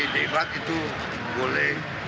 debat itu boleh